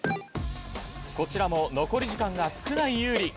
こちらも残り時間が少ないＹＯＵＲＩ。